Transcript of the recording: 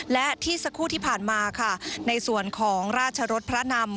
และที่สักครู่ที่ผ่านมาค่ะในส่วนของราชรสพระนำ